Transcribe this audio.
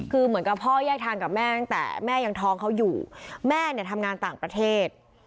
คือเหมือนกับพ่อแยกทางกับแม่ตั้งแต่แม่ยังท้องเขาอยู่แม่เนี่ยทำงานต่างประเทศ